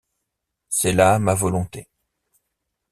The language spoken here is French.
C’est là ma volonté.